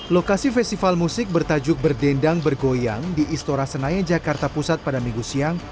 lokasi festival musik bertajuk berdendang bergoyang di istora senayan jakarta pusat pada minggu siang